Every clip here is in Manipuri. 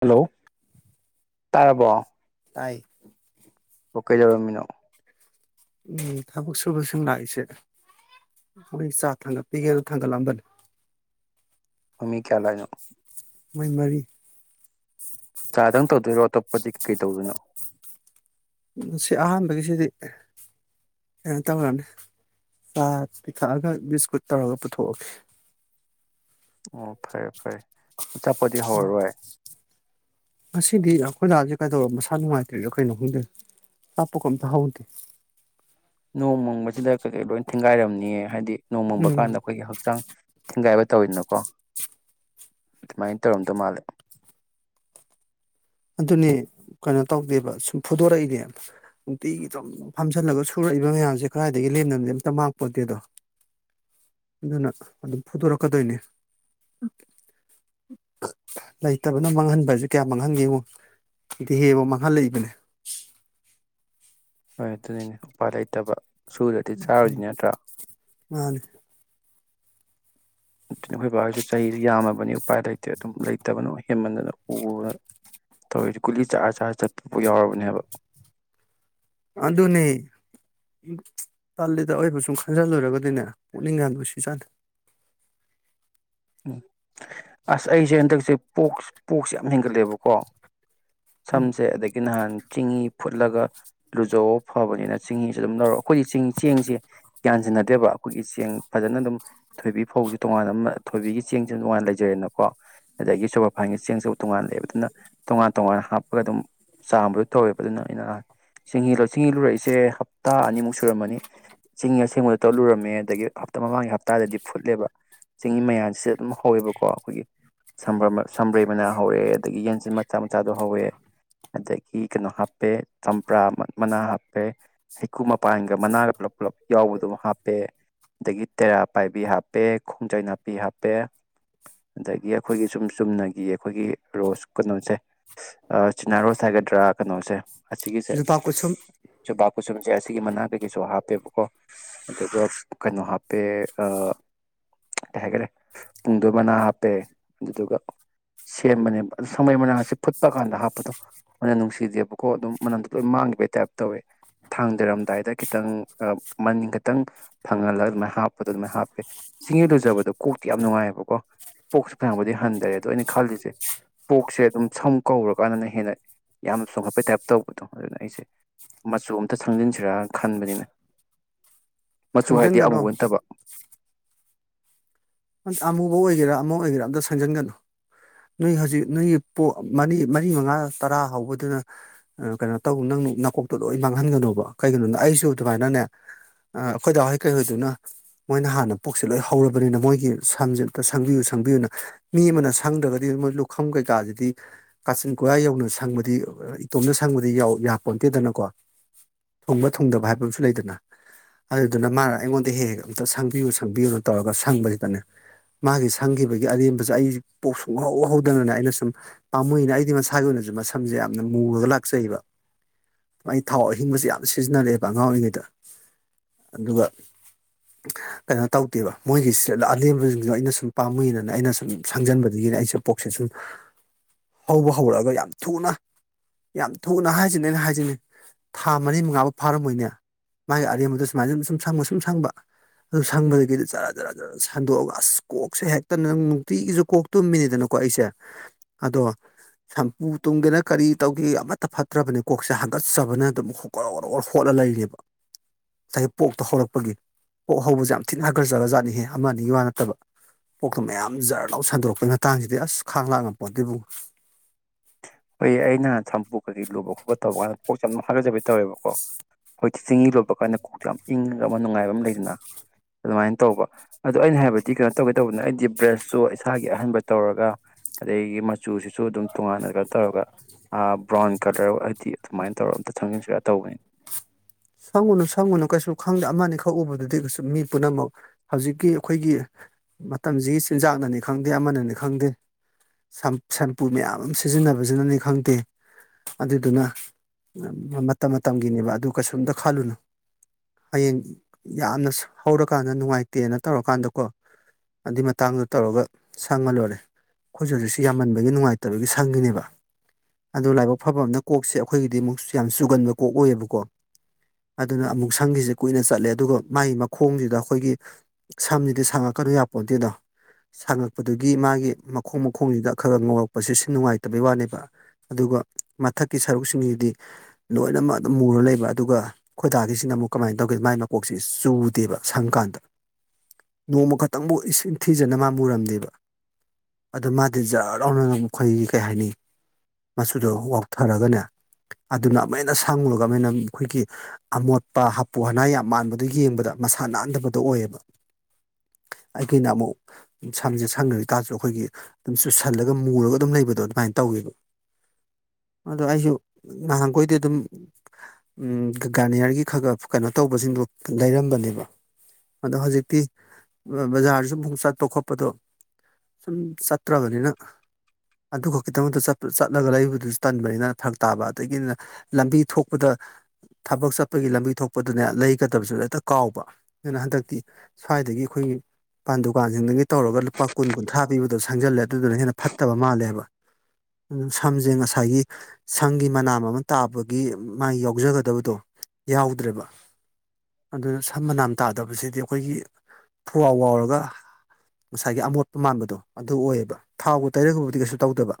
ꯍꯜꯂꯣ ꯇꯥꯔꯕꯣ ꯇꯥꯏ ꯑꯣ ꯀꯩ ꯂꯧꯧꯔꯝꯃꯤꯅꯣ ꯎꯝ ꯊꯕꯛ ꯁꯨꯕꯁꯤꯡ ꯂꯥꯛꯏꯁꯦ ꯃꯣꯏ ꯆꯥ ꯊꯥꯡꯒꯠꯄꯤꯒꯦ ꯊꯥꯡꯒꯠꯂꯛꯑꯝꯕꯅꯤ ꯃꯃꯤ ꯀꯌꯥꯂꯅꯣ ꯃꯥꯏꯃꯔꯤ ꯆꯥꯗꯪ ꯇꯧꯗꯣꯏꯔꯣ ꯑꯇꯣꯞꯄꯗꯤ ꯀꯩꯀꯩ ꯇꯧꯗꯣꯏꯅꯣ ꯁꯤ ꯑꯍꯥꯟꯕꯒꯤꯁꯤꯗꯤ ꯀꯩꯅꯣ ꯇꯧꯔꯅꯤ ꯆꯥ ꯄꯤꯊꯛꯑꯒ ꯕꯤꯁꯀꯨꯠ ꯇꯧꯔꯒ ꯄꯨꯊꯣꯛꯑꯒꯦ ꯑꯣ ꯐꯔꯦ ꯐꯔꯦ ꯆꯞꯄꯣꯗꯤ ꯍꯧꯔꯔꯣꯏ ꯍꯥꯏ ꯉꯁꯤꯗꯤ ꯑꯩꯈꯣꯏ ꯗꯥꯁꯦ ꯀꯩꯗꯧꯔ ꯃꯁꯥ ꯅꯨꯡꯉꯥꯏꯇ꯭ꯔꯦꯗ ꯑꯩꯈꯣꯏꯅꯣꯍꯗ ꯂꯥꯞꯄꯒ ꯑꯝꯇ ꯍꯧꯗꯦ ꯅꯣꯡꯃꯪꯕꯁꯤꯗ ꯀꯩꯀꯩ ꯂꯣꯏ ꯊꯦꯡꯒꯥꯏꯔꯝꯅꯤꯌꯦ ꯍꯥꯏꯗꯤ ꯅꯣꯡꯃꯪꯕ ꯎꯝ ꯀꯥꯟꯗ ꯑꯩꯈꯣꯏꯒꯤ ꯍꯛꯆꯥꯡ ꯊꯤꯡꯒꯥꯏꯕ ꯇꯧꯋꯤꯅꯨꯀꯣ ꯑꯗꯨꯃꯥꯏꯅ ꯇꯧꯔꯝꯗꯧ ꯃꯥꯜꯂꯦ ꯑꯗꯨꯅꯦ ꯀꯩꯅꯣ ꯇꯧꯗꯦꯕ ꯁꯨꯝ ꯐꯨꯗꯣꯔꯛꯏꯅꯦ ꯅꯨꯡꯇꯤꯒꯤ ꯑꯗꯨꯝ ꯐꯝꯖꯜꯂꯒ ꯁꯨꯔꯛꯏꯕ ꯃꯌꯥꯝꯁꯦ ꯀꯗꯥꯏꯗꯒꯤ ꯂꯦꯝꯅꯅꯗꯤ ꯑꯝꯇ ꯃꯥꯡꯄꯣꯗꯦꯗꯣ ꯑꯗꯨꯅ ꯑꯗꯨꯝ ꯐꯨꯗꯣꯔꯛꯀꯗꯣꯏꯅꯦ ꯂꯩꯇꯕꯅ ꯃꯥꯡꯍꯟꯕ ꯍꯥꯏꯁꯦ ꯀꯌꯥ ꯃꯥꯡꯍꯟꯒꯦꯉꯣ ꯏꯗꯤ ꯍꯦꯕꯣ ꯃꯈꯥ ꯂꯩꯕꯅꯦ ꯍꯣꯏ ꯑꯗꯨꯅꯤꯅꯦ ꯎꯄꯥꯏ ꯂꯩꯇꯕ ꯁꯨꯔꯗꯗꯤ ꯆꯥꯔꯣꯏꯗꯤ ꯅꯠꯇ꯭ꯔꯥ ꯃꯥꯅꯦ ꯑꯗꯨꯅ ꯑꯩꯈꯣꯏ ꯕꯥꯒꯤꯁꯨ ꯆꯍꯤꯁꯨ ꯌꯥꯝꯃꯕꯅꯤ ꯎꯄꯥꯏ ꯂꯩꯇꯦ ꯑꯗꯨꯝ ꯂꯩꯇꯕꯅꯣ ꯍꯦꯟꯃꯟꯗꯅ ꯎꯅ ꯇꯧꯔꯤ ꯀꯨꯂꯤ ꯆꯥꯔ ꯆꯥꯔ ꯆꯠꯄꯐꯥꯎ ꯌꯥꯎꯔꯕꯅꯦꯕ ꯑꯗꯨꯅꯦ ꯄꯜꯂꯤꯗ ꯑꯣꯏꯕ ꯁꯨꯝ ꯈꯟꯖꯤꯜꯂꯨꯔꯒꯗꯤꯅꯦ ꯄꯨꯛꯅꯤꯡꯒꯗ ꯁꯤ ꯆꯥꯅ ꯎꯝ ꯑꯁ ꯑꯩꯁꯦ ꯍꯟꯗꯛꯁꯦ ꯄꯣꯛ ꯄꯣꯛꯁ ꯌꯥꯝ ꯍꯦꯟꯒꯠꯂꯦꯕꯀꯣ ꯎꯝ ꯁꯝꯁꯦ ꯑꯗꯒꯤ ꯅꯍꯥꯟ ꯆꯤꯡꯏꯤ ꯐꯨꯠꯂꯒ ꯂꯨꯖꯧ ꯐꯕꯅꯤꯅ ꯆꯤꯡꯍꯤꯁꯤ ꯑꯗꯨꯝ ꯂꯧꯔ ꯑꯩꯈꯣꯏꯒꯤ ꯆ ꯆꯦꯡꯁꯦ ꯌꯥꯌꯥꯟꯁꯤꯟꯅꯗꯦꯕ ꯑꯩꯈꯣꯏꯒꯤ ꯆꯦꯡ ꯐꯖꯅ ꯑꯗꯨꯝ ꯊꯣꯏꯕꯤ ꯐꯧꯁ ꯇꯣꯉꯥꯟꯅ ꯊꯣꯏꯕꯤꯒꯤ ꯆꯦꯡꯁꯨ ꯇꯣꯉꯥꯟꯅ ꯂꯩꯖꯔꯦꯅꯀꯣ ꯑꯗꯒꯤ ꯁꯣꯄꯔꯐꯥꯏꯟꯒꯤ ꯆꯦꯡꯁꯨ ꯇꯣꯉꯥꯟ ꯂꯩꯑꯦꯕ ꯑꯗꯨꯅ ꯇꯣꯉꯥꯟ ꯇꯣꯉꯥꯟꯅ ꯍꯥꯞꯄꯒ ꯑꯗꯨꯝ ꯆꯥꯝꯕꯗ ꯇꯧꯋꯦꯕ ꯑꯗꯨꯅ ꯑꯩꯅ ꯆꯤꯡꯍꯤ ꯆꯤꯡꯍꯤ ꯂꯨꯔꯛꯏꯁꯦ ꯍꯞꯇꯥ ꯑꯅꯤꯃꯨꯛ ꯁꯨꯔꯝꯃꯅꯤ ꯆꯦꯡ ꯑꯁꯦꯡꯕꯗ ꯇꯂꯨꯔꯝꯃꯦ ꯑꯗꯒꯤ ꯍꯞꯇꯥ ꯃꯃꯥꯡꯒꯤ ꯍꯞꯇꯥꯗꯗꯤ ꯐꯨꯠꯂꯦꯕ ꯆꯤꯡꯍꯤꯤ ꯃꯌꯥꯁꯤꯗ ꯑꯗꯨꯝ ꯍꯧꯋꯦꯕꯀꯣ ꯑꯩꯈꯣꯏꯒꯤ ꯁꯝꯕ꯭ꯔꯩ ꯃꯅꯥ ꯍꯧꯋꯦ ꯑꯗꯒꯤ ꯌꯦꯟꯆꯟ ꯃꯆꯥ ꯃꯆꯥꯗꯣ ꯍꯧꯋꯦ ꯑꯗꯒꯤ ꯀꯩꯅꯣ ꯍꯥꯞꯄꯦ ꯆꯝꯄ꯭ꯔꯥ ꯃꯅꯥ ꯍꯥꯞꯄꯦ ꯍꯩꯀꯨ ꯃꯄꯥꯟꯒ ꯃꯅꯥꯒ ꯄꯨꯂꯞ ꯄꯨꯂꯞ ꯌꯥꯎꯕꯗꯝ ꯍꯥꯞꯄꯦ ꯑꯗꯒꯤ ꯇꯦꯔꯥ ꯄꯥꯏꯕꯤ ꯍꯥꯞꯄꯦ ꯈꯣꯡꯆꯩꯅ ꯍꯥꯞꯄꯦ ꯍꯥꯄꯤ ꯍꯥꯞꯄꯦ ꯑꯗꯒꯤ ꯑꯩꯈꯣꯏꯒꯤ ꯁꯨꯝ ꯆꯨꯝꯅꯒꯤ ꯑꯩꯈꯣꯏꯒꯤ ꯔꯣꯁ ꯀꯩꯅꯣꯁꯦ ꯆꯤꯅꯥ ꯔꯣꯁ ꯍꯥꯏꯒꯗ꯭ꯔꯥ ꯀꯩꯅꯣꯁꯦ ꯁꯤꯒꯤꯁꯦ ꯌꯣꯄꯥꯛ ꯀꯨꯠꯁꯨꯝ ꯆ ꯄꯨ ꯁꯅ ꯁꯦ ꯑꯁꯤꯒꯤ ꯃꯅꯥꯛꯇꯒꯤꯁꯨ ꯍꯥꯞꯄꯦꯕꯀꯣ ꯑꯗꯨꯒ ꯀꯩꯅꯣ ꯍꯥꯞꯄꯦ ꯀꯩ ꯍꯥꯏꯈꯔꯦ ꯄꯨꯡꯗꯣꯏ ꯃꯅꯥ ꯍꯥꯞꯄꯦ ꯑꯗꯨꯗꯨꯒ ꯁꯦꯝꯕꯅꯦꯕ ꯑꯗꯨ ꯁꯪꯃꯩ ꯃꯅꯥꯁꯦ ꯐꯨꯠꯄ ꯀꯥꯟꯗ ꯍꯥꯞꯄꯗꯣ ꯃꯅ ꯅꯨꯡꯁꯤꯗꯦꯕꯀꯣ ꯑꯗꯨꯝ ꯃꯅꯝꯗꯣ ꯂꯣꯏ ꯃꯥꯡꯈꯤꯕꯩ ꯇꯥꯏꯞ ꯇꯧꯋꯦ ꯊꯥꯡ ꯇꯩꯔꯝꯗꯥꯏꯗ ꯈꯤꯇꯪ ꯃꯅꯤ ꯈꯤꯇꯪ ꯐꯪꯍꯜꯂꯒ ꯑꯗꯨꯃꯥꯏꯅ ꯍꯥꯞꯄꯗꯣ ꯑꯗꯨꯃꯥꯏꯅ ꯍꯥꯞꯄꯦ ꯆꯤꯡꯗꯨ ꯐꯖꯕꯗꯣ ꯀꯣꯛꯇꯤ ꯌꯥꯝ ꯅꯨꯡꯉꯥꯏꯑꯕꯀꯣ ꯄꯣꯛꯁꯦ ꯐꯪꯕꯗꯤ ꯍꯟꯊꯔꯦ ꯑꯗꯣ ꯑꯩꯅ ꯈꯜꯂꯤꯁꯦ ꯄꯣꯛꯁꯦ ꯑꯗꯨꯝ ꯁꯝ ꯀꯧꯔꯀꯥꯟꯗꯅ ꯍꯦꯟꯅ ꯌꯥꯝꯅ ꯆꯣꯡꯈꯠꯄꯩ ꯇꯥꯏꯞ ꯇꯧꯕꯗꯣ ꯑꯗꯨꯅ ꯑꯩꯁꯦ ꯃꯆꯨ ꯑꯝꯇ ꯁꯪꯖꯤꯟꯁꯤꯔꯅ ꯈꯟꯕꯅꯤꯅ ꯃꯆꯨ ꯍꯥꯏꯗꯤ ꯑꯃꯨ ꯁꯪꯖꯟꯒꯅꯣ ꯅꯟꯠꯇꯕ ꯑꯃꯨꯕ ꯑꯣꯏꯒꯦꯔꯥ ꯑꯃ ꯑꯣꯏꯒꯦꯔꯥ ꯑꯝꯇ ꯁꯦꯝꯪꯖꯟꯒꯅꯨ ꯅꯣꯏ ꯍꯧꯖꯤꯛ ꯅꯣꯏꯒꯤ ꯄ ꯃꯔꯤ ꯃꯔꯤ ꯃꯉꯥ ꯇꯔꯥ ꯍꯧꯕꯗꯨꯅ ꯀꯩꯅꯣ ꯇꯧ ꯅꯪ ꯅꯥꯀꯣꯛꯇꯣ ꯂꯣꯏ ꯃꯥꯡꯍꯟꯒꯅꯣꯕ ꯀꯩꯒꯤꯅꯣꯅ ꯑꯩꯁꯨ ꯑꯗꯨꯃꯥꯏꯅꯅꯦ ꯑꯩꯈꯣꯏꯗꯥꯎꯍꯩ ꯀꯩꯍꯣꯏꯗꯨꯅ ꯃꯣꯏꯅ ꯍꯥꯟꯅ ꯄꯣꯛꯁꯦ ꯂꯣꯏ ꯍꯧꯔꯕꯅꯤꯅ ꯃꯣꯏꯒꯤ ꯁꯝꯁꯦ ꯑꯝꯇ ꯁꯪꯕꯤꯌꯨ ꯁꯪꯕꯤꯌꯨꯅ ꯃꯤ ꯑꯃꯅ ꯁꯪꯗ꯭ꯔꯒꯗꯤ ꯃꯣꯏ ꯂꯨꯈꯝ ꯀꯩꯀꯥꯁꯤꯗꯤ ꯀꯥꯆꯤꯟ ꯀꯣꯏꯌꯥ ꯌꯧꯅ ꯁꯪꯕꯗꯤ ꯏꯇꯣꯝꯅ ꯁꯪꯕꯗꯤ ꯌꯥꯄꯣꯟꯇꯦꯗꯅꯀꯣ ꯊꯨꯡꯕ ꯊꯨꯡꯗꯕ ꯍꯥꯏꯕ ꯑꯃꯁꯨ ꯂꯩꯗꯅ ꯑꯗꯨꯗꯨꯅ ꯃꯥꯅ ꯑꯩꯉꯣꯟꯗ ꯍꯦꯛ ꯍꯦꯛ ꯑꯝꯇ ꯁꯪꯕꯤꯌꯨ ꯁꯪꯕꯤꯌꯨꯅ ꯇꯧꯔꯒ ꯁꯪꯕꯁꯤꯗꯅꯦ ꯃꯥꯒꯤ ꯁꯪꯈꯤꯕꯒꯤ ꯑꯔꯦꯝꯕꯁꯦ ꯑꯩ ꯄꯣꯛ ꯁꯨꯡꯍꯧ ꯍꯧꯧꯗꯅꯅꯦ ꯑꯩꯅ ꯁꯨꯝ ꯄꯥꯝꯃꯏꯅ ꯑꯩꯗꯤ ꯃꯁꯥꯒꯤ ꯑꯣꯏꯅꯁꯨ ꯃꯁꯝꯁꯦ ꯌꯥꯝ ꯃꯨꯨꯔꯒ ꯂꯥꯛꯆꯩꯕ ꯒꯤ ꯊꯥꯎ ꯑꯍꯤꯡꯕꯁꯦ ꯌꯥꯝ ꯁꯤꯖꯤꯟꯅꯔꯛꯑꯦꯕ ꯑꯉꯥꯡ ꯑꯣꯏꯔꯤꯉꯩꯗ ꯑꯗꯨꯒ ꯀꯩꯅꯣ ꯇꯧꯗꯦꯕ ꯃꯣꯏꯒꯤꯁꯤꯗ ꯑꯔꯦꯝꯕꯁꯤꯡꯗꯣ ꯑꯩꯅ ꯁꯨꯝ ꯄꯥꯝꯃꯨꯏꯅꯅ ꯑꯩꯅ ꯁꯨꯝ ꯁꯪꯖꯟꯕꯗꯒꯤꯅꯦ ꯑꯩꯁꯦ ꯄꯣꯛꯁꯦ ꯁꯨꯝ ꯍꯧꯕ ꯍꯧꯔꯛꯑꯒ ꯌꯥꯝ ꯊꯨꯅ ꯌꯥꯝ ꯊꯨꯅ ꯍꯥꯏꯁꯤꯅꯤ ꯑꯩꯅ ꯍꯥꯏꯁꯤꯅꯤ ꯊꯥ ꯃꯔꯤ ꯃꯉꯥꯕꯨ ꯐꯥꯔꯝꯃꯣꯏꯅꯦ ꯃꯥꯒꯤ ꯑꯔꯦꯝꯕꯗ ꯁꯨꯃꯥꯏꯅ ꯁꯨꯝ ꯁꯨꯝ ꯁꯪꯕ ꯁꯨꯝ ꯁꯪꯕ ꯑꯗꯨ ꯁꯪꯕꯗꯒꯤꯗꯤ ꯔꯥ ꯖꯔꯥ ꯖꯔ ꯁꯟꯗꯣꯛꯑꯒ ꯑꯁ ꯀꯣꯛꯁꯦ ꯍꯦꯛꯇꯅ ꯅ ꯅꯨꯡꯇꯤꯒꯤꯁꯨ ꯀꯣꯛ ꯇꯨꯝꯃꯤꯅꯤꯗꯅꯀꯣ ꯑꯩꯁꯦ ꯑꯗꯣ ꯁꯝꯄꯨ ꯇꯨꯝꯒꯦꯅ ꯀꯔꯤ ꯇꯧꯒꯦ ꯑꯃꯠꯇ ꯐꯠꯇ꯭ꯔꯕꯅꯤ ꯀꯣꯛꯁꯦ ꯀꯠꯆꯕꯅ ꯑꯗꯨꯝꯔꯧꯔ ꯍꯣꯠꯂ ꯂꯩꯔꯦꯕ ꯉꯁꯥꯏꯒꯤ ꯄꯣꯛꯇꯣ ꯍꯧꯔꯛꯄꯒꯤ ꯄꯣꯛ ꯍꯧꯕꯁꯦ ꯌꯥꯝ ꯊꯤꯅ ꯍꯒꯠꯆꯔꯒ ꯖꯠꯅꯤꯍꯦ ꯑꯃꯅꯤ ꯑ ꯋꯥ ꯅꯠꯇꯕ ꯄꯣꯛꯇ ꯃꯌꯥꯝ ꯖꯔꯅꯥꯧ ꯁꯟꯗꯣꯔꯛꯄꯩ ꯃꯇꯥꯡꯁꯤꯗꯤ ꯑꯁ ꯈꯥꯡ ꯂꯥꯛꯅ ꯄꯣꯠꯇꯏꯕꯨꯨꯡ ꯍꯣꯏ ꯑꯩꯅ ꯊꯝꯕꯨꯨ ꯀꯩ ꯂꯨ ꯈꯣꯠꯄ ꯇꯧꯕ ꯀꯥꯟꯗ ꯀꯣꯛꯁꯦ ꯌꯥꯝ ꯍꯥꯒꯠꯆꯕꯩ ꯇꯧꯋꯦꯕꯀꯣ ꯍꯧꯖꯤꯛꯇꯤ ꯆꯤꯡꯍꯤ ꯂꯣꯠꯄ ꯀꯥꯟꯗ ꯀꯣꯛꯁꯦ ꯌꯥꯝ ꯏꯪꯉꯒ ꯑꯃ ꯅꯨꯡꯉꯥꯏꯕ ꯑꯃ ꯂꯩꯗꯅ ꯑꯗꯨꯃꯥꯏꯅ ꯇꯧꯕ ꯑꯗꯣ ꯑꯩꯅ ꯍꯥꯏꯕꯗꯤ ꯀꯩꯅꯣ ꯇꯧꯒꯦ ꯇꯧꯕꯗꯅ ꯑꯩꯗꯤ ꯕ꯭ꯔꯁꯁꯨ ꯏꯁꯥꯒꯤ ꯑꯍꯟꯕ ꯇꯧꯔꯒ ꯑꯗꯒꯤ ꯃꯆꯨꯁꯤ ꯁꯨ ꯑꯗꯨꯝ ꯇꯣꯉꯥꯟꯅꯒ [inaudible] ꯕ꯭ꯔꯥꯎꯟ ꯀꯂꯔ ꯍꯥꯏꯗꯤ ꯑꯗꯨꯃꯥꯏꯅ ꯇꯧꯔꯒ ꯑꯝꯇ ꯊꯪꯖꯤꯟꯁꯤꯔꯥ ꯇꯧꯕꯅꯤ ꯁꯪꯉꯨꯅꯨ ꯁꯪꯉꯨꯅꯨ ꯀꯩꯁꯨ ꯈꯪꯗꯦ ꯑꯃꯅꯤ ꯈꯛꯎꯕꯗꯨꯗꯤ ꯀꯩꯁꯨꯨꯝ ꯃꯤ ꯄꯨꯝꯅꯃꯛ ꯍꯧꯖꯤꯛꯀꯤ ꯑꯩꯈꯣꯏꯒꯤ ꯃꯇꯝꯁꯤꯒꯤ ꯆꯤꯟꯖꯥꯛꯅꯅꯤ ꯈꯪꯗꯦ ꯑꯃꯅꯅꯤ ꯈꯪꯗꯦ ꯁꯝꯄꯨ ꯃꯌꯥꯝ ꯑꯃ ꯁꯤꯖꯤꯟꯅꯕꯁꯤꯅꯅꯤ ꯈꯪꯗꯦ ꯑꯗꯨꯗꯨꯅ ꯃꯇꯝ ꯃꯇꯝꯒꯤꯅꯦꯕ ꯑꯗꯨ ꯀꯩꯁꯨꯝ ꯈꯜꯂꯨꯅꯨ ꯍꯌꯦꯡ ꯌꯥꯝꯅ ꯍꯧꯔꯀꯥꯟꯗ ꯅꯨꯡꯉꯥꯏꯇꯦꯅ ꯇꯧꯔꯀꯥꯟꯗꯀꯣ ꯑꯗꯨꯏ ꯃꯇꯥꯡꯗꯣ ꯇꯧꯔꯒ ꯁꯪꯉ ꯂꯣꯏꯔꯦ ꯑꯩꯈꯣꯏꯁꯨ ꯍꯧꯖꯤꯛꯁꯨ ꯌꯥꯝꯃꯟꯕꯒꯤ ꯅꯨꯡꯉꯥꯏꯇꯕꯒꯤ ꯁꯪꯈꯤꯅꯦꯕ ꯑꯗꯨ ꯂꯥꯏꯕꯛ ꯐꯕꯅ ꯀꯣꯛꯁꯦ ꯑꯩꯈꯣꯏꯒꯤꯗꯤ ꯑꯃꯨꯛꯁꯨ ꯌꯥꯝ ꯆꯨꯒꯟꯕ ꯀꯣꯛ ꯑꯣꯏꯌꯦꯕꯀꯣ ꯑꯗꯨꯅ ꯑꯃꯨꯛ ꯁꯪꯒꯤꯁꯦ ꯀꯨꯏꯅ ꯆꯠꯂꯦ ꯑꯗꯨꯒ ꯃꯥꯒꯤ ꯃꯈꯣꯡꯁꯤꯗ ꯑꯩꯈꯣꯏꯒꯤ ꯁꯝꯁꯤꯗꯤ ꯁꯥꯡꯉꯛꯀꯅꯨ ꯌꯥꯄꯣ ꯅꯠꯇꯦꯗꯣ ꯁꯥꯡꯉꯛꯄꯗꯨꯒꯤ ꯃꯥꯒꯤ ꯃꯈꯣꯡ ꯃꯈꯣꯡꯁꯤꯗ ꯈꯔ ꯈ ꯉꯧꯔꯛꯄꯁꯦ ꯁꯤ ꯅꯨꯡꯉꯥꯏꯇꯕꯩ ꯋꯥꯅꯦꯕ ꯑꯗꯨꯒ ꯃꯊꯛꯀꯤ ꯁꯔꯨꯛꯁꯤꯡꯁꯤꯗꯤ ꯂꯣꯏꯅꯃꯛ ꯑꯗꯨꯝ ꯃꯨꯔ ꯂꯩꯕ ꯑꯗꯨꯒ ꯈꯣꯏꯗꯥꯗꯒꯤꯁꯤꯅ ꯑꯃꯨꯛ ꯀꯃꯥꯏꯅ ꯇꯧꯒꯦ ꯃꯥꯏ ꯃꯀꯣꯛꯁꯤ ꯆꯨꯗꯦꯕ ꯁꯪꯀꯥꯟꯗ ꯅꯣꯡꯃ ꯈꯛꯇꯪꯕꯨ ꯏꯁꯤꯡ ꯊꯤꯖꯅ ꯃꯥ ꯃꯨꯔꯝꯗꯦꯕ ꯑꯗꯨ ꯃꯥꯗꯤ ꯖꯔꯥꯎꯅ ꯃꯈꯣꯏꯒꯤ ꯀꯩ ꯍꯥꯏꯅꯤ ꯃꯆꯨꯗꯣ ꯋꯥꯎꯊꯔꯒꯅꯦ ꯑꯗꯨꯅ ꯑꯃꯥꯏꯅ ꯁꯪꯉꯒ ꯑꯃꯅ ꯑꯩꯈꯣꯏꯒꯤ ꯑꯃꯣꯠꯄ ꯍꯥꯄꯨ ꯍꯅꯥ ꯌꯥꯝ ꯃꯥꯟꯕꯗꯣ ꯌꯦꯡꯕꯗ ꯃꯁꯥ ꯅꯥꯟꯗꯕꯗꯣ ꯑꯣꯏꯌꯦꯕ ꯑꯩꯈꯅ ꯑꯃꯨꯛ ꯁꯝꯁꯦ ꯁꯪꯅꯔꯤꯀꯥꯁꯨ ꯑꯩꯈꯣꯏꯒꯤ ꯑꯗꯨꯝ ꯆꯨꯁꯜꯂꯒ ꯃꯨꯔꯒ ꯑꯗꯨꯝ ꯂꯩꯕꯗꯣ ꯑꯗꯨꯃꯥꯏꯅ ꯇꯧꯋꯦꯕ ꯑꯗꯣ ꯑꯩꯁꯨ ꯉꯍꯥꯟꯈꯣꯏꯗꯤ ꯑꯗꯨꯝ ꯒꯥꯔꯅꯤꯌꯥꯔꯒꯤ ꯈꯔ ꯀꯩꯅꯣ ꯇꯧꯕꯁꯤꯡꯗꯨꯣ ꯂꯩꯔꯝꯕꯅꯦꯕ ꯑꯗꯣ ꯍꯧꯖꯤꯛꯇꯤ ꯕꯖꯥꯔꯁꯨ ꯑꯃꯨ ꯆꯠꯄ ꯈꯣꯠꯄꯗꯣ ꯁꯨꯝ ꯆꯠꯇ꯭ꯔꯕꯅꯤꯅ ꯑꯗꯨ ꯈꯛꯀꯤꯗꯃꯛꯇ ꯆꯠꯂꯒ ꯂꯩꯕꯗꯨꯁꯨ ꯇꯟꯕꯅꯤꯅ ꯊꯔꯛ ꯇꯥꯕ ꯑꯗꯒꯤꯅ ꯂꯝꯕꯤ ꯊꯣꯛꯄꯗ ꯊꯕꯛ ꯆꯠꯄꯒꯤ ꯂꯝꯕꯤ ꯊꯣꯛꯄꯗꯨꯅꯦ ꯂꯩꯒꯗꯕꯁꯨ ꯍꯦꯛꯇ ꯀꯥꯎꯕ ꯑꯗꯨꯅ ꯍꯟꯗꯛꯇꯤ ꯁ꯭ꯋꯥꯏꯗꯒꯤ ꯑꯩꯈꯣꯏꯒꯤꯥꯟ ꯗꯨꯀꯥꯟꯁꯤꯡꯗꯒꯤ ꯇꯧꯔꯒ ꯂꯨꯄꯥ ꯀꯨꯟ ꯀꯨꯟꯊ꯭ꯔꯥ ꯄꯤꯕꯗ ꯁꯪꯖꯜꯂꯦ ꯑꯗꯨꯗꯨꯅ ꯍꯦꯟꯅ ꯐꯠꯇꯕ ꯃꯥꯜꯂꯦꯕ ꯑꯗꯨ ꯁꯝꯁꯦ ꯉꯁꯥꯏꯒꯤ ꯁꯝꯒꯤ ꯃꯅꯥꯝ ꯑꯃ ꯇꯥꯕꯒꯤ ꯃꯥꯏ ꯌꯥꯎꯖꯒꯗ ꯇꯗꯕꯗꯣ ꯌꯥꯎꯗ꯭ꯔꯦꯕ ꯑꯗꯨꯅ ꯁꯝ ꯃꯅꯥꯟ ꯇꯥꯗꯕꯁꯤꯗꯤ ꯑꯩꯈꯣꯏꯒꯤ ꯐꯋꯥꯥꯎ ꯋꯥꯎꯔꯒ ꯉꯁꯥꯏꯒꯤ ꯑꯃꯣꯠꯄ ꯃꯥꯟꯕꯗꯣ ꯑꯗꯨ ꯑꯣꯏꯌꯦꯕ ꯊꯥꯎꯒ ꯇꯩꯔꯒꯕꯨꯗꯤ ꯀꯩꯁꯨ ꯇꯧꯗꯕ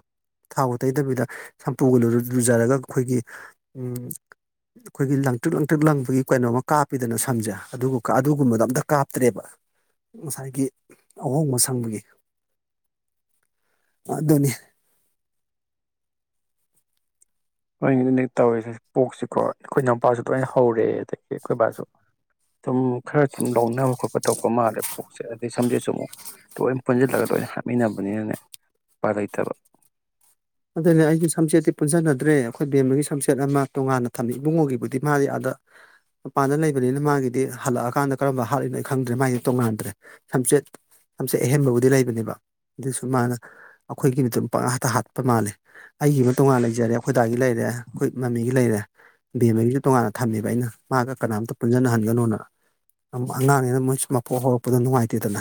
ꯊꯥꯎꯒ ꯇꯩꯗꯕꯤꯗ ꯁꯝꯄꯨꯒ ꯂꯨꯖꯔꯒ ꯑꯩꯈꯣꯏꯒꯤ ꯑꯩꯈꯣꯏꯒꯤ ꯂꯪꯇ꯭ꯔꯤꯛ ꯂꯪꯇ꯭ꯔꯤꯛ ꯂꯪꯕꯒꯤ ꯀꯩꯅꯣꯃ ꯀꯥꯞꯄꯤꯗꯅ ꯁꯝꯁꯦ ꯑꯗꯨꯒꯨꯝꯕꯗꯣ ꯑꯝꯇ ꯀꯥꯞꯇ꯭ꯔꯦꯕ ꯉꯁꯥꯏꯒꯤ ꯑꯍꯣꯡꯕ ꯁꯪꯕꯒꯤ ꯑꯗꯨꯅꯤ ꯃꯣꯏꯅꯦ ꯇꯧꯋꯦꯁ ꯄꯣꯛꯁꯤꯀꯣ ꯑꯩꯈꯣꯏ ꯏ ꯅꯨꯎꯄꯥꯁꯨ ꯂꯣꯏꯅ ꯍꯧꯔꯦ ꯑꯗꯒꯤ ꯑꯩꯈꯣꯏ ꯕꯥꯁꯨ ꯑꯗꯨꯝ ꯈꯔ ꯁꯨꯝ ꯂꯧꯅꯕ ꯈꯣꯠꯄ ꯇ ꯊꯣꯛꯄ ꯃꯥꯜꯂꯕ ꯄꯣꯛꯁꯦ ꯑꯗꯩ ꯁꯝꯁꯦꯠꯁꯨ ꯑꯃꯨꯛ ꯂꯣꯏꯅ ꯄꯨꯟꯁꯤꯜꯂꯒ ꯂꯣꯏꯅ ꯍꯥꯞꯃꯤꯟꯅꯕꯅꯤꯅꯅꯦ ꯎꯄꯥ ꯂꯩꯇꯕ ꯑꯗꯨꯅꯦ ꯑꯩꯁꯨ ꯁꯝꯆꯦꯠꯇꯤ ꯄꯨꯟꯖꯟꯅꯗ꯭ꯔꯦ ꯑꯩꯈꯣꯏ ꯕꯦꯝꯕꯒꯤ ꯁꯝꯆꯦꯠ ꯑꯃ ꯇꯣꯉꯥꯟꯅ ꯊꯝꯃꯤ ꯏꯕꯨꯡꯉꯣꯒꯤꯕꯨꯗꯤ ꯃꯥꯗꯤ ꯑꯥꯗ ꯃꯄꯥꯟꯗ ꯂꯩꯕꯅꯤꯅ ꯃꯥꯒꯤꯗꯤ ꯍꯜꯂꯛꯑꯀꯥꯟꯗ ꯀꯔꯝꯕ ꯍꯥꯠꯂꯤꯅꯣ ꯈꯪꯗ꯭ꯔꯦ ꯃꯥꯒꯤꯗꯤ ꯇꯣꯡꯉꯥꯟꯗ꯭ꯔꯦ ꯁꯝꯆꯦꯠ ꯁꯝꯆꯦꯠ ꯑꯍꯦꯟꯕꯕꯨꯗꯤ ꯂꯩꯕꯅꯦꯕ ꯑꯗꯨꯁꯨ ꯃꯥꯅ ꯑꯩꯈꯣꯏꯒꯤ ꯄꯥꯛ ꯍꯥꯠꯇ ꯍꯥꯠꯄ ꯃꯥꯜꯂꯦ ꯑꯩꯒꯤ ꯑꯃ ꯇꯣꯉꯥꯟꯅ ꯂꯩꯖꯔꯦ ꯑꯩꯈꯣꯏꯗꯥꯏꯒꯤ ꯂꯩꯔꯦ ꯑꯩꯈꯣꯏ ꯃꯃꯤꯒꯤ ꯂꯩꯔꯦ ꯕꯦꯝꯃꯒꯤꯁꯨ ꯇꯣꯉꯥꯟꯅ ꯊꯝꯃꯦꯕ ꯑꯩꯅ ꯃꯥꯒ ꯀꯅꯥꯝꯇ ꯄꯨꯟꯁꯤꯟꯅꯍꯟꯒꯅꯣꯅ ꯑꯉꯥꯡꯅꯦꯅ ꯃꯣꯏ ꯃꯄꯣꯛ ꯍꯧꯔꯛꯄꯗ ꯅꯨꯡꯉꯥꯏꯇꯦꯗꯅ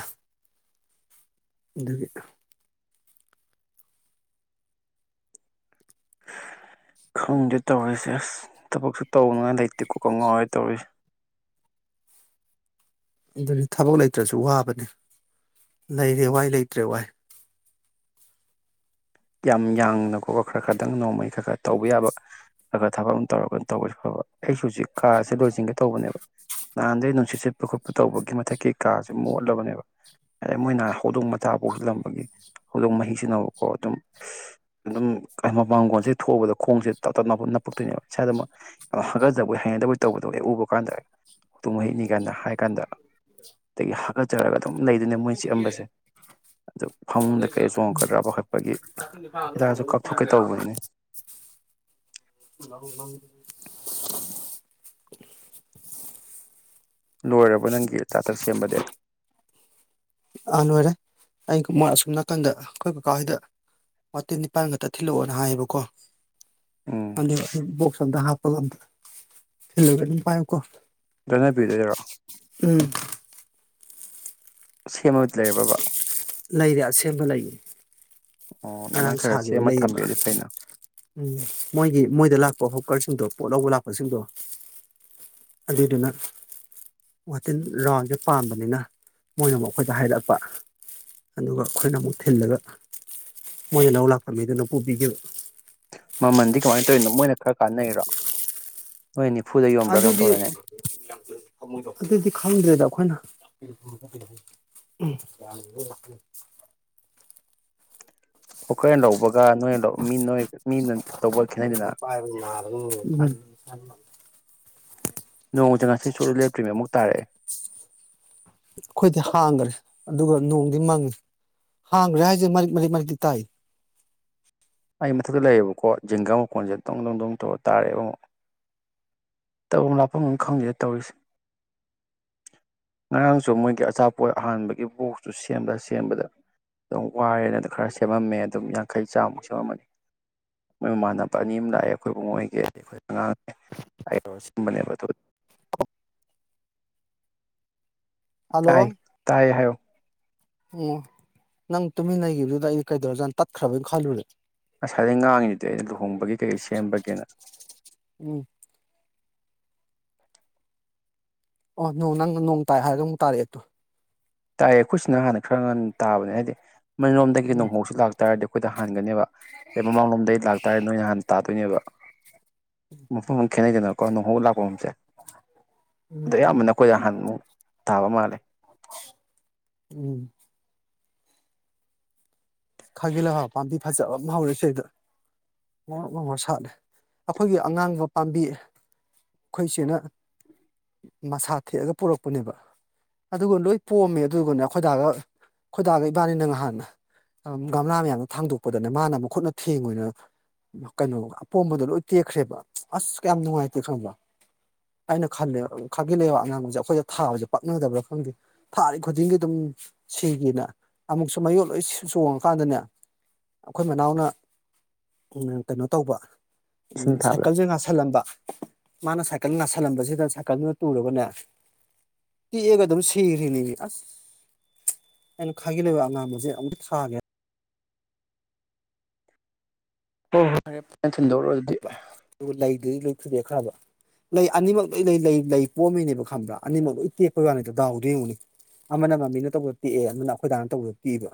ꯑꯗꯨꯒꯤ ꯈꯪꯗꯦ ꯇꯧꯔꯤꯁꯦ ꯑꯁ ꯊꯕꯛꯁꯨ ꯇꯧꯅꯤꯉꯥꯏ ꯂꯩꯇꯦꯀꯣ ꯈꯪꯉꯧꯣꯏ ꯇꯧꯔꯤꯁꯦ ꯑꯗꯨꯗꯤ ꯊꯕꯛ ꯂꯩꯇ꯭ꯔꯁꯨ ꯋꯥꯕꯅꯤ ꯂꯩꯔꯦ ꯋꯥꯏ ꯂꯩꯇ꯭ꯔꯦ ꯋꯥꯏ ꯌꯥꯝ ꯌꯥꯡꯅ ꯈꯣꯠꯄ ꯈꯔ ꯈꯗꯪ ꯅꯣꯡꯃꯩ ꯈꯔ ꯈꯔ ꯇꯧꯕ ꯌꯥꯕ ꯈꯔ ꯈꯔ ꯊꯕꯛ ꯑꯃ ꯇꯧꯔꯒ ꯇꯧꯕꯁꯨ ꯐꯕ ꯑꯩꯁꯨ ꯍꯧꯖꯤꯛ ꯀꯥꯥꯁꯦ ꯂꯣꯏꯁꯤꯟꯒꯦ ꯇꯧꯕꯅꯦꯕ ꯅꯍꯥꯟꯗꯩ ꯅꯨꯡꯁꯤꯠ ꯁꯤꯠꯄ ꯈꯣꯠꯄ ꯇꯧꯕꯒꯤ ꯃꯊꯛꯀꯤ ꯀꯥꯥꯁꯦ ꯃꯣꯠꯂꯕꯅꯦꯕ ꯑꯗꯩ ꯃꯣꯏꯅꯍꯥꯟ ꯍꯧꯗꯣꯡ ꯃꯆꯥ ꯄꯧꯁꯤꯜꯂꯝꯕꯒꯤ ꯍꯧꯗꯣꯡ ꯃꯍꯤꯁꯤꯟꯅꯕꯀꯣ ꯑꯗꯨꯝ ꯑꯗꯨꯝ ꯃꯄꯥꯡꯒꯣꯟꯜꯁꯦ ꯊꯣꯛꯕꯗ ꯈꯣꯡꯁꯦ ꯇꯞ ꯇꯞ ꯞꯄꯞ ꯅꯞꯄꯛꯇꯣꯏꯅꯦꯕ ꯏꯁꯥꯗꯃꯛ ꯌꯥꯝ ꯍꯥꯀꯠꯆꯕꯩ ꯍꯩꯅꯗꯕꯩ ꯇꯧꯕꯗꯣ ꯍꯦꯛ ꯎꯕ ꯀꯥꯟꯗ ꯍꯇꯨꯝ ꯍꯩꯅꯤ ꯀꯥꯟꯗ ꯍꯥꯏ ꯀꯥꯟꯗ ꯑꯗꯒꯤ ꯍꯥꯀꯠꯆꯔꯒ ꯑꯗꯨꯝ ꯂꯩꯗꯨꯅꯦ ꯃꯣꯏ ꯆꯤꯛꯑꯝꯕꯁꯦ ꯑꯗꯨ ꯐꯃꯨꯡꯗ ꯀꯩ ꯆꯣꯡꯉꯛꯀꯗ꯭ꯔꯥꯕ ꯈꯠꯄꯒꯤ ꯑ ꯂꯣꯏꯔꯕ ꯅꯪꯒꯤ ꯆꯥꯇꯛ ꯁꯦꯝꯕꯗꯦ ꯑꯥ ꯂꯣꯏꯔꯦ ꯑꯩ ꯑꯁꯨꯝ ꯅꯥꯀꯟꯗ ꯑꯩꯈꯣꯏ ꯀꯀꯥꯁꯤꯗ ꯋꯥꯇꯤꯟ ꯅꯤꯄꯥꯥꯟ ꯈꯛꯇ ꯊꯤꯜꯂꯛꯑꯣꯅ ꯍꯥꯏꯌꯦꯕꯀꯣ ꯎꯝ ꯑꯗ ꯁꯗ ꯍꯥꯞꯄꯒꯗ ꯊꯂꯒ ꯄꯥꯏ ꯀꯣ ꯂꯅ ꯄꯤꯗꯔꯣꯑꯣ ꯁꯦꯝꯃ ꯂꯩꯔꯕꯕꯥ ꯂꯩꯔꯦ ꯑꯁꯦꯡꯕ ꯂꯩꯌꯦ ꯑꯣ ꯑꯗꯨꯃꯥꯏꯅ ꯉꯔꯥꯡ ꯈꯔ ꯁꯥꯒꯤ ꯑꯣꯏꯅ ꯁꯦꯝꯃ ꯂꯩꯌꯦꯕ ꯊꯝꯕꯤꯔꯗꯤ ꯐꯩꯅ ꯎꯝ ꯃꯣꯏꯒꯤ ꯃꯣꯏꯗ ꯂꯥꯛꯄ ꯍꯣꯀꯔꯁ ꯁꯤꯡꯗꯣ ꯄꯣꯠ ꯂꯧꯕ ꯂꯥꯛꯄꯁꯤꯡꯗꯣ ꯑꯗꯨꯏꯗꯨꯅ ꯋꯥꯇꯤꯟ ꯔꯥꯎꯟꯁꯦ ꯄꯥꯝꯕꯅꯤꯅ ꯃꯣꯏꯅ ꯑꯃꯨꯛ ꯑꯩꯈꯣꯏꯗ ꯍꯥꯏꯔꯛꯄ ꯑꯗꯨꯒ ꯑꯩꯈꯣꯏꯅ ꯑꯃꯨꯛ ꯊꯤꯜꯂꯒ ꯃꯣꯏ ꯂꯧ ꯂꯥꯛꯄ ꯃꯤꯗꯨꯅ ꯄꯨꯨꯕꯤꯒꯤꯕ ꯃꯃꯟꯗꯤ ꯀꯃꯥꯏꯅ ꯇꯧꯔꯤꯅꯣ ꯃꯣꯏꯅ ꯈꯔ ꯀꯥꯟꯅꯩꯔꯣ ꯅꯣꯏ ꯅꯤꯐꯨꯗ ꯌꯣꯟꯕ꯭ꯔꯥ ꯀꯩꯅꯣꯝ ꯑꯗꯨꯗꯤ ꯇꯧꯗꯥꯏꯅꯦ ꯑꯗꯨꯗꯤ ꯈꯪꯗ꯭ꯔꯦꯗ ꯑꯈꯣꯏꯅ [inaudible] ꯑꯣ ꯈꯥ ꯍꯦꯟ ꯂꯧꯕꯒ ꯅꯣꯏ ꯂꯧ ꯃꯤ ꯅꯣꯏ ꯃꯤꯅ ꯂꯧꯕꯒ ꯈꯦꯠꯅꯩꯗꯅ ꯑꯩꯈꯣꯏꯗꯤ ꯅꯣꯡꯖꯦ ꯉꯁꯤ ꯁꯨꯛꯂꯦꯞ ꯂꯦꯇ꯭ꯔꯤ ꯑꯃꯨꯛ ꯇꯥꯔꯛꯑꯦ ꯑꯈꯣꯏꯗꯤ ꯍꯥꯡꯈ꯭ꯔꯦ ꯑꯗꯨꯒ ꯅꯣꯡꯗꯤ ꯃꯪꯉꯤ ꯍꯥꯡꯒꯔꯦ ꯍꯥꯏꯖꯦ ꯃꯔꯤꯛ ꯃꯔꯤꯛ ꯃꯔꯤꯛꯇꯤ ꯇꯥꯏꯌꯦ꯫ ꯑꯩ ꯃꯊꯛꯇ ꯂꯩꯌꯦꯕꯀꯣ ꯖꯤꯡꯒꯥ ꯃꯈꯣꯟꯖꯦ ꯇꯪ ꯗꯪ ꯗꯪ ꯇꯧꯔ ꯇꯥꯔꯦꯕ ꯑꯃꯨꯛ ꯇꯧꯐꯝ ꯂꯥꯞꯐꯝꯒ ꯈꯪꯗꯦ ꯇꯧꯔꯤꯁꯦ ꯉꯔꯥꯡꯁꯨ ꯃꯣꯏꯒꯤ ꯑꯆꯥꯄꯣꯠ ꯑꯍꯥꯟꯕꯒꯤ ꯕꯣꯛꯁꯇꯨ ꯁꯦꯝꯕꯗ ꯁꯦꯝꯕꯗ ꯑꯗꯨꯝ ꯋꯥꯔꯦꯅ ꯈꯔ ꯁꯦꯝꯃꯝꯃꯦ ꯑꯗꯨꯝ ꯌꯥꯡꯈꯩ ꯆꯥꯝꯃꯨꯛꯁꯦ ꯇꯧꯔꯝꯃꯅꯤ ꯃꯣꯏ ꯃꯃꯥꯟꯅꯕ ꯑꯅꯤ ꯑꯝ ꯂꯥꯛꯑꯦ ꯑꯩꯈꯣꯏ ꯕꯨꯡꯉꯣꯏꯒꯤ ꯑꯗꯩ ꯑꯩꯈꯣꯏ ꯑꯉꯥꯡ ꯈꯔ ꯇꯧꯔ ꯁꯦꯝꯕꯅꯦꯕ ꯑꯗꯨ ꯇꯥꯏ ꯇꯥꯏ ꯍꯥꯏꯌꯣ ꯎꯪ ꯅꯪ ꯇꯨꯃꯤꯟ ꯂꯩꯒꯤꯕꯗꯨꯗ ꯑꯩꯗꯤ ꯀꯩꯗꯧꯔꯖꯥꯠꯅꯣ ꯇꯠꯈ꯭ꯔꯕꯣꯏ ꯈꯜꯂꯨꯔꯦ ꯁꯥꯏꯗꯩꯩ ꯉꯥꯡꯉꯤꯗꯨꯗꯤ ꯑꯩꯅ ꯂꯨꯍꯣꯡꯕꯒꯤ ꯀꯩꯀꯩ ꯁꯦꯝꯕꯒꯦꯅ ꯎꯝ ꯑꯣ ꯅꯣꯡ ꯅꯪ ꯅ ꯅꯣꯡ ꯇꯥꯏ ꯍꯥꯏꯕꯗꯨ ꯑꯃꯨꯛ ꯇꯥꯔꯛꯑꯦ ꯇꯨ ꯇꯥꯏꯌꯦ ꯑꯩꯈꯣꯏꯁꯤꯅ ꯍꯥꯟꯅ ꯈꯔ ꯉꯟꯅ ꯇꯥꯕꯅꯦ ꯍꯥꯏꯗꯤ ꯅꯣꯏ ꯂꯣꯝꯗꯒꯤ ꯎꯝ ꯅꯣꯡꯍꯧꯁꯤ ꯂꯥꯛꯇꯥꯔꯗꯤ ꯑꯩꯈꯣꯏꯗ ꯍꯥꯟꯒꯅꯦꯕ ꯑꯩ ꯃꯃꯥꯡꯂꯣꯝꯗꯩ ꯂꯥꯛꯇꯥꯔꯦ ꯅꯣꯏ ꯅꯍꯥꯟ ꯇꯥꯠ ꯇꯣꯏꯅꯦꯕ ꯃꯐꯝ ꯑꯃ ꯈꯦꯠꯅꯩꯗꯅ ꯀꯣ ꯅꯣꯡꯍꯧ ꯂꯥꯛꯄꯝꯁꯦ ꯎꯝ ꯑꯌꯥꯝꯕꯅ ꯑꯈꯣꯏ ꯌꯍꯥꯟꯃꯨꯛ ꯇꯥꯕ ꯃꯥꯜꯂꯦ ꯎꯝ ꯈꯥꯒꯤ ꯂꯩꯍꯥꯎ ꯄꯥꯝꯕꯤ ꯐꯖꯕꯝꯃ ꯍꯧꯔꯦ ꯁꯤꯗ ꯉꯧꯔꯣꯛ ꯉꯧꯅ ꯁꯥꯠꯂꯦ ꯑꯈꯣꯏꯒꯤ ꯑꯉꯥꯡꯕ ꯄꯥꯝꯕꯤ ꯑꯈꯣꯏ ꯆꯦꯅ ꯃꯁꯥ ꯊꯦꯛꯑꯒ ꯄꯨꯔꯛꯄꯅꯦꯕ ꯑꯗꯨꯒ ꯂꯣꯏ ꯄꯣꯝꯃꯦ ꯑꯗꯨꯒꯅꯦ ꯑꯥꯈꯣꯏꯗꯥꯒ ꯈꯣꯏꯗꯥꯒ ꯏꯕꯥꯅꯤꯅ ꯉꯍꯥꯟꯅ ꯒꯝꯂꯥ ꯃꯌꯥꯝꯗꯣ ꯊꯥꯡꯗꯣꯛꯄꯗꯅꯦ ꯃꯥꯅ ꯃꯈꯨꯠꯅ ꯊꯦꯡꯉꯨꯏꯅ ꯀꯩꯅꯣ ꯑꯄꯣꯝꯕꯗꯣ ꯂꯣꯏ ꯇꯦꯛꯈ꯭ꯔꯦꯕ ꯑꯁ ꯀꯌꯥꯝ ꯅꯨꯡꯉꯥꯏꯇꯦ ꯈꯪꯕꯔꯥ ꯑꯩꯅ ꯈꯜꯂꯦ ꯈꯥꯒꯤ ꯂꯩꯕꯥꯛ ꯑꯉꯥꯡꯕꯖꯦ ꯑꯩꯈꯣꯏꯗ ꯊꯥꯕꯖꯦ ꯄꯛꯅꯗꯕ꯭ꯔꯥ ꯈꯪꯗꯦ ꯊꯥꯔꯤ ꯈꯨꯗꯤꯡꯒꯤ ꯑꯗꯨꯝ ꯁꯤꯒꯤꯅ ꯑꯃꯨꯛꯁꯨ ꯃꯌꯣꯜ ꯂꯣꯏꯁꯨ ꯆꯣꯡꯉꯀꯥꯟꯗꯅꯦ ꯑꯈꯣꯏ ꯃꯅꯥꯎꯅ ꯎꯝ ꯀꯩꯅꯣ ꯇꯧꯕ ꯏꯁꯤꯡ ꯎꯝ ꯊꯥꯕꯗ ꯁꯥꯏꯀꯜꯖꯦ ꯉꯥꯁꯜꯂꯝꯕ ꯃꯥꯅ ꯁꯥꯏꯀꯜ ꯉꯥꯁꯜꯂꯝꯕꯖꯤꯗ ꯁꯥꯏꯀꯜꯗꯨꯅ ꯇꯨꯔꯒꯅꯦ ꯇꯦꯛꯑꯒ ꯑꯗꯨꯝ ꯁꯤꯒꯔꯤꯅꯤꯃꯤ ꯑꯁ ꯑꯩꯅ ꯈꯥꯒꯤꯂꯩꯍꯥꯎ ꯑꯉꯥꯡꯕꯖꯦ ꯑꯃꯨ ꯑꯥꯅꯤꯌ ꯑꯣ ꯐꯔꯦ ꯐ ꯅꯪ ꯊꯤꯟꯗꯣꯛ ꯎꯔꯣ ꯑꯗꯨꯗꯤ ꯊꯨꯗꯦꯛꯈ꯭ꯔꯕ ꯂꯩ ꯑꯅꯤꯃꯛ ꯂꯣꯏ ꯂꯩ ꯂꯩ ꯂꯩ ꯄꯣꯝꯃꯤꯅꯦꯕ ꯈꯪꯕ꯭ꯔꯥ ꯑꯅꯤꯃꯛ ꯂꯣꯏ ꯇꯦꯛꯄ ꯋꯥꯅꯤꯗ ꯗꯥꯎꯗꯣ ꯌꯦꯡꯉꯨꯅꯦ ꯑꯃꯅ ꯃꯃꯤꯅ ꯇꯧꯕꯗ ꯇꯦꯛꯑꯦ ꯑꯃꯅ ꯑꯩꯈꯣꯏꯗꯥꯅ ꯇꯧꯕꯗ ꯇꯦꯛꯏꯕ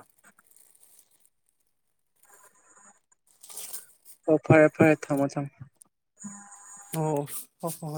ꯑꯣ [inaudible] ꯐꯔꯦ ꯐꯔꯦ ꯊꯝꯃꯣ ꯊꯝꯃꯣ ꯎꯝ [inaudible] ꯑꯣ ꯍꯣ ꯍꯣ ꯍꯣꯏ